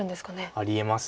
ありえます。